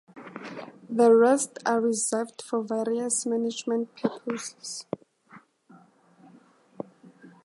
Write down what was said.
The rest are reserved for various management purposes.